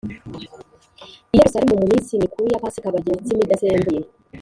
i Yerusalemu mu minsi mikuru ya pasika barya imitsima idasembuye